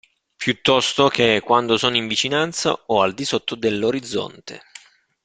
Piuttosto che quando sono in vicinanza o al di sotto dell'orizzonte.